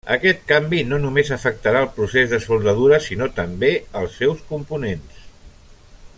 Aquest canvi no només afectarà el procés de soldadura sinó també als seus components.